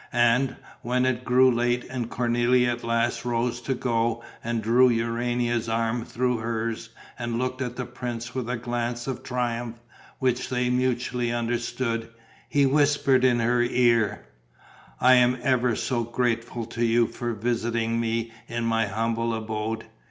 And, when it grew late and Cornélie at last rose to go and drew Urania's arm through hers and looked at the prince with a glance of triumph which they mutually understood, he whispered in her ear: "I am ever so grateful to you for visiting me in my humble abode.